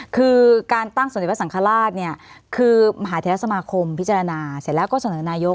คือการตั้งสมเด็จพระสังฆราชเนี่ยคือมหาเทศสมาคมพิจารณาเสร็จแล้วก็เสนอนายก